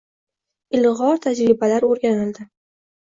Ilg‘or tajribalar o‘rganildi